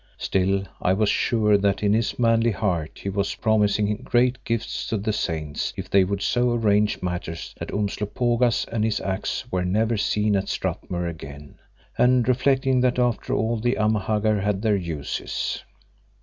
Still, I was sure that in his manly heart he was promising great gifts to the saints if they would so arrange matters that Umslopogaas and his axe were never seen at Strathmuir again, and reflecting that after all the Amahagger had their uses.